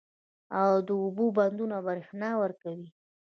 د اوبو بندونه برښنا ورکوي